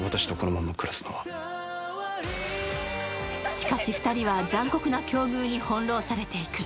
しかし、２人は残酷な境遇に翻弄されていく。